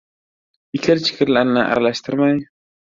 Ikir-chikirni aralashtirmay